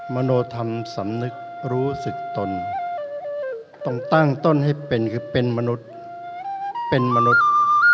มโนธรรมสำนึกรู้สึกตนต้องตั้งต้นให้เป็นคือเป็นมนุษย์เป็นมนุษย์